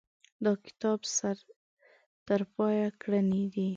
دا کتاب سر ترپایه ګړنې دي.